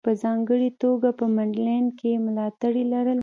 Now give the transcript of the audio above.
په ځانګړې توګه په منډلینډ کې یې ملاتړي لرل.